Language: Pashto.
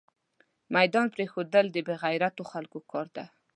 ميدان پريښودل دبې غيرتو خلکو کار ده